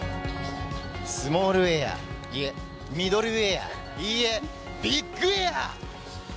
スモールエア、いえ、ミドルエア、いいえ、ビッグエア。